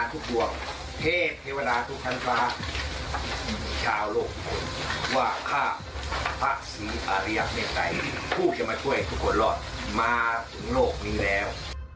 ผู้เขียนมาช่วยทุกคนรอดมาถึงโลกนี้แล้ว